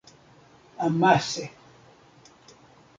Amase.